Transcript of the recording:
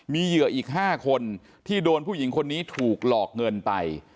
มีเหยื่ออีก๕คนที่โดนผู้หญิงคนนี้ถูกหลอกเงินไป